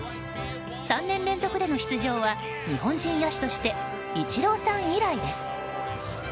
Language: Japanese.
３年連続での出場は日本人野手としてイチローさん以来です。